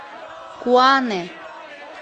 Куане!